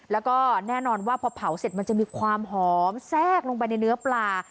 แล้วก็แน่นอนว่าพอเผาเสร็จมันจะมีความหอมแทรกลงไปในเนื้อปลา